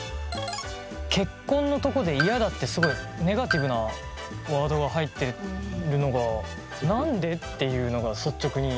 結婚のとこで「イヤ」だってすごいネガティブなワードが入ってるのが何で？っていうのが率直に。